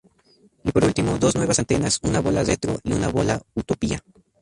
Y por último dos nuevas antenas, una bola retro y una bola Utopía.